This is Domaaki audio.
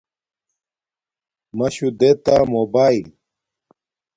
مشو دے تا موباݵل